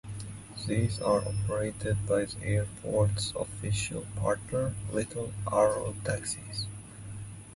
These are operated by the airports official partner - Little Arrow Taxis.